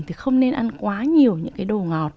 thì không nên ăn quá nhiều những cái đồ ngọt